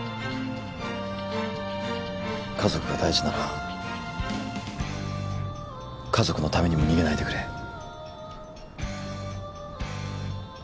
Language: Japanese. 家族が大事なら家族のためにも逃げないでくれ。